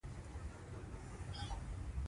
د غرمې په وخت کې اکثره کسبونه بنده وي